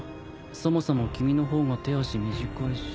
そもそも君の方が手足短いし。